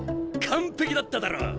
完璧だっただろう！